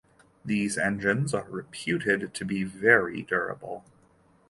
These engines are reputed to be very durable.